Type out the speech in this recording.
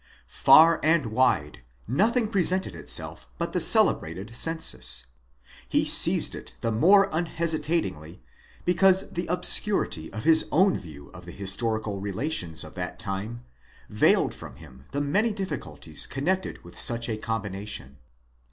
Far and wide nothing presented itself but the celebrated census ; he seized it the more unhesitatingly because the obscurity of his own view of the historical relations of that time, veiled from him the many diffi culties connected with such a combination.